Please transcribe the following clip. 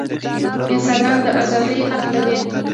انسانان د ازادۍ حق لري.